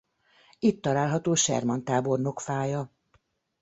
Itt található Sherman tábornok fája.